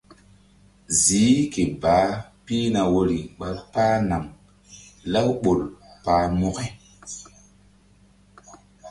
Ziih ke baah pihna woyri ɓa páh naŋ lawɓol pah mokȩ.